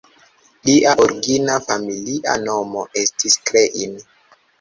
Lia origina familia nomo estis "Klein".